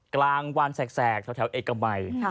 กลางวันแสกแถวเอกมัย